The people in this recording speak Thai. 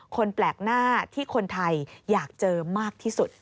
คนแปลกหน้าที่คนไทยอยากเจอมากที่สุด